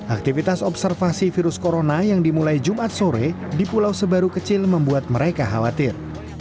aktivitas observasi virus corona yang dimulai jumat sore di pulau sebaru kecil membuat mereka khawatir